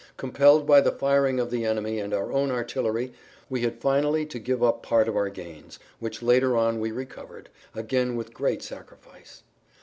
Compelled by the firing of the enemy and our own artillery we had finally to give up part of our gains, which later on we recovered, again with great sacrifice.